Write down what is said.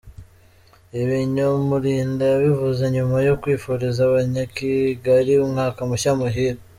Ibi Nyamulinda yabivuze nyuma yo kwifuriza Abanyakigali umwaka mushya muhire.